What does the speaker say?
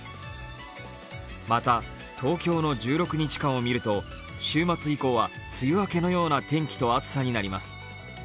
また東京の１６日間を見ると、週末以降は梅雨明けのような天気と暑さになります。